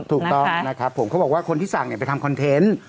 ถูกต้องนะครับผมเขาบอกว่าคนที่สั่งไปทำคอนเทนต์